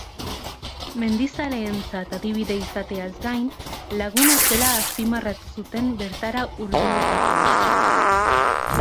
Mendizaleentzat adibide izateaz gain, laguna zela azpimarratu zuten bertara hurbildutakoek.